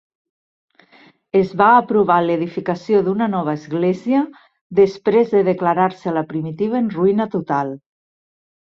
Es va aprovar l'edificació d'una nova església després de declarar-se la primitiva en ruïna total.